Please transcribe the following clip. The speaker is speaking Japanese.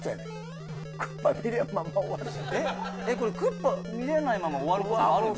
これクッパ見れないまま終わる事もあるんですか？